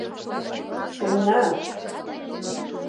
Шуына!